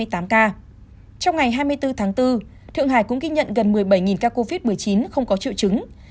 trong ngày hai mươi bốn tháng bốn thượng hải cũng ghi nhận gần một mươi bảy ca covid một mươi chín không có triệu chứng